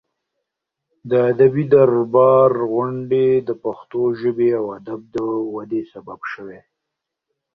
د ادبي دربار غونډې د پښتو ژبې او ادب د ودې سبب شوې.